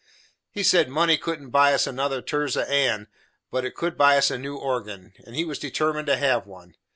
He said money couldn't buy us another Tirzah Ann, but it would buy us a new organ, and he was determined to have one.